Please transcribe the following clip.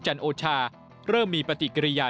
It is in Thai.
จันทร์โอชาเริ่มมีปฏิกิริยา